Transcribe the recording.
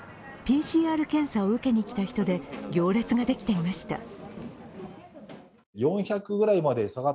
ＰＣＲ検査を受けにきた人で行列ができていました。